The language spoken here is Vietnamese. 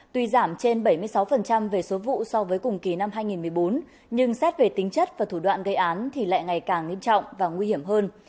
tuy giảm trên bảy mươi sáu về số vụ so với cùng kỳ năm hai nghìn một mươi bốn nhưng xét về tính chất và thủ đoạn gây án thì lại ngày càng nghiêm trọng và nguy hiểm hơn